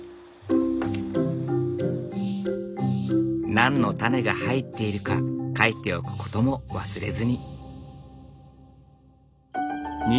何のタネが入っているか書いておくことも忘れずに。